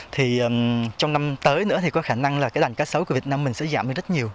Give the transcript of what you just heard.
thì trong năm tới nữa thì có khả năng là cái đàn cá sấu của việt nam mình sẽ giảm đi rất nhiều